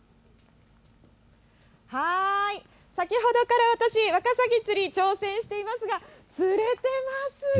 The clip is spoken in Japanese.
先ほどから私、ワカサギ釣り挑戦していますが、釣れてますよ。